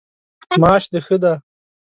معاش د ښه دی؟